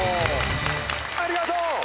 ありがとう！